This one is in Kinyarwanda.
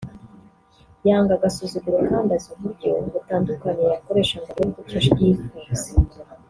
yanga agasuzuguro kandi azi uburyo butandukanye yakoresha ngo agere ku cyo yifuza